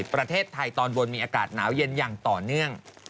ประเทศไทยตอนบนมีอากาศหนาวเย็นอย่างต่อเนื่อง